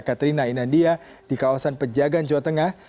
katrina inandia di kawasan pejagan jawa tengah